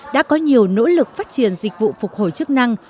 đã có nhiều nỗ lực phát triển dịch vụ phục hồi chức năng